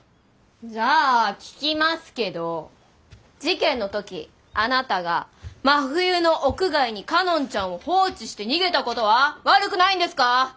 じゃあ聞きますけど事件の時あなたが真冬の屋外に佳音ちゃんを放置して逃げたことは悪くないんですか？